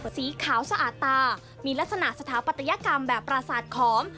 สีขาวสะอาดตามีลักษณะสถาปัตยกรรมแบบประสาทขอม